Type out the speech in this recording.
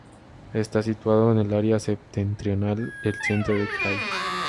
Está situado en el área septentrional del centro del krai.